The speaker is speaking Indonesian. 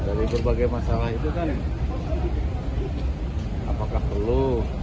dari berbagai masalah itu kan apakah perlu